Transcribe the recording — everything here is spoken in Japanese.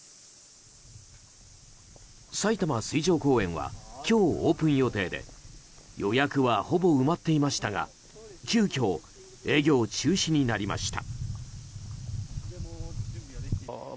さいたま水上公園は今日、オープン予定で予約はほぼ埋まっていましたが急きょ営業中止になりました。